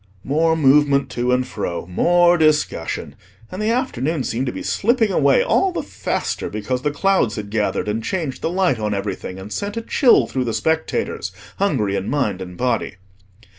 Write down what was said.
More movement to and fro, more discussion; and the afternoon seemed to be slipping away all the faster because the clouds had gathered, and changed the light on everything, and sent a chill through the spectators, hungry in mind and body.